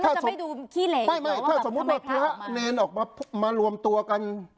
แล้วจะไปดูขี้เหล่อีกหรอกว่าไม่ไม่ถ้าสมมุติว่าพระเนรออกมามารวมตัวกัน